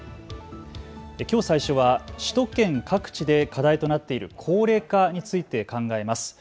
きょう最初は首都圏各地で課題となっている高齢化について考えます。